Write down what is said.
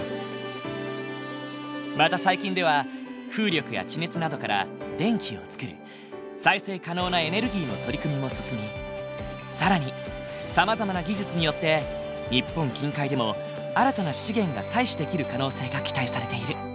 また最近では風力や地熱などから電気をつくる再生可能なエネルギーの取り組みも進み更にさまざまな技術によって日本近海でも新たな資源が採取できる可能性が期待されている。